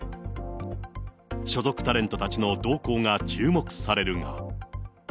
所属タレントたちの動向が注目されるが。